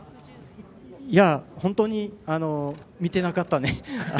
本当に見てなかったね。